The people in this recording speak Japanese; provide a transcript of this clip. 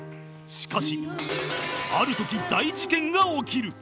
しかしある時大事件が起きる